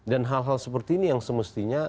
dan hal hal seperti ini yang semestinya